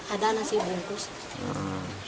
ada nasi bungkus